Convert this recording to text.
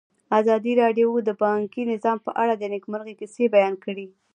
ازادي راډیو د بانکي نظام په اړه د نېکمرغۍ کیسې بیان کړې.